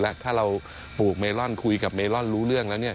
แล้วถ้าเราปลูกเมลอนคุยกับเมลอนรู้เรื่องแล้วเนี่ย